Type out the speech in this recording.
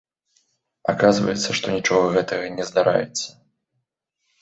Аказваецца, што нічога гэтага не здараецца.